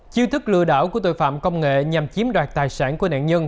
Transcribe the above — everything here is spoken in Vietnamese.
chiêu thức lừa đảo của tội phạm công nghệ nhằm chiếm đoạt tài sản của nạn nhân